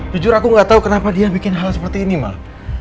jujur aku gak tahu kenapa dia bikin hal seperti ini mah